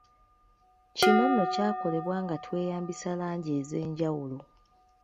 Kino nno kyakolebwa nga tweyambisa langi ez’enjawulo.